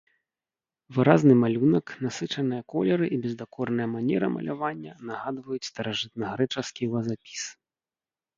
Выразны малюнак, насычаныя колеры і бездакорная манера малявання нагадваюць старажытнагрэчаскі вазапіс.